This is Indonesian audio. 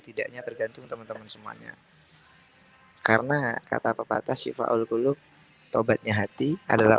tidaknya tergantung teman teman semuanya karena kata papatah syifa ulqulub taubatnya hati adalah